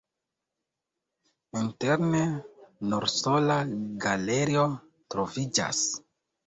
Interne nur sola galerio troviĝas.